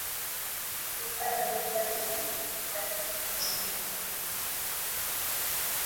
i vijana dokta sira tumemkubali kwakishindo